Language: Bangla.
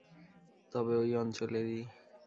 তবে ঐ অঞ্চলেরই।